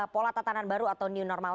pola tatanan baru atau new normal